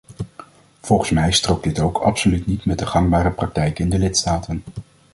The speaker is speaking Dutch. Volgens mij strookt dit ook absoluut niet met de gangbare praktijken in de lidstaten.